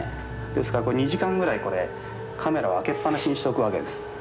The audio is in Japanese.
ですから２時間ぐらいこれカメラを開けっ放しにしておくわけです。